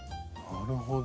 なるほど。